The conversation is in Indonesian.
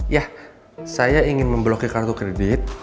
ya saya ingin memblokir kartu kredit